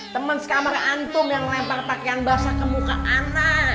teman sekamar antum yang lempar pakaian basah ke muka anak